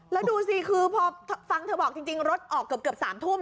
แล้วดูสิคือพอฟังเธอบอกจริงรถออกเกือบ๓ทุ่ม